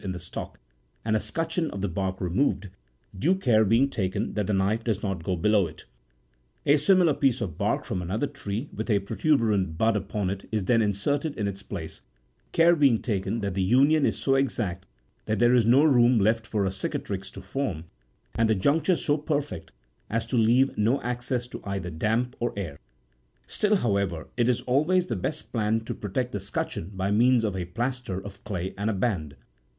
in the stock, and a scutcheon31 of the bark removed, due care being taken that the knife does not go below it. A similar piece of bark from another tree, with a protuberant bud upon it, is then inserted in its place, care being taken that the union is so exact that there is no room left for a cicatrix to form, and the juncture so perfect as to leave no access to either damp or air : still, however, it is always the best plan to protect the scutcheon by means of a plaster of clay and a band.